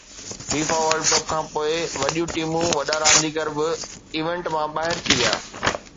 FIFA world cup کانپوءِ وڏيون ٽيمون، وڏا رانديگر به ايونٽ مان ٻاهر ٿي ويا